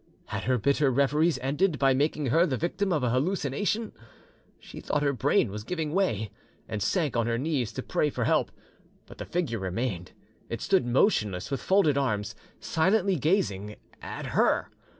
Had her bitter reveries ended by making her the victim of a hallucination? She thought her brain was giving way, and sank on her knees to pray for help. But the figure remained; it stood motionless, with folded arms, silently gazing at her!